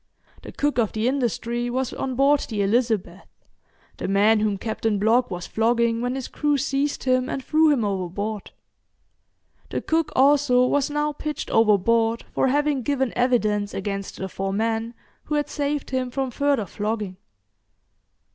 The cook of the 'Industry' was on board the 'Elizabeth', the man whom Captain Blogg was flogging when his crew seized him and threw him overboard. The cook also was now pitched overboard for having given evidence against the four men who had saved him from further flogging.